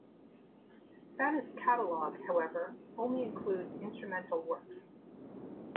Fanna's catalogue, however, only includes instrumental works.